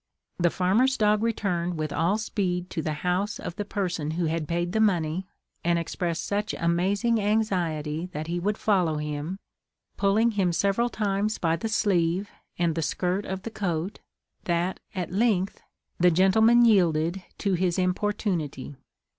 The farmer's dog returned with all speed to the house of the person who had paid the money, and expressed such amazing anxiety that he would follow him, pulling him several times by the sleeve and skirt of the coat, that, at length, the gentleman yielded to his importunity.